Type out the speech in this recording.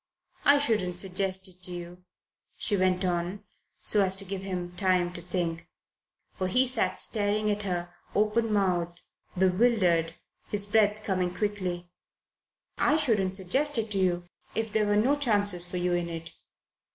I shouldn't suggest it to you," she went on, so as to give him time to think, for he sat staring at her, openmouthed, bewildered, his breath coming quickly "I shouldn't suggest it to you if there were no chances for you in it.